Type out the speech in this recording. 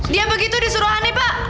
dia begitu disuruh aneh pak